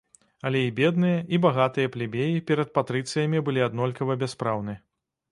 Але і бедныя, і багатыя плебеі перад патрыцыямі былі аднолькава бяспраўны.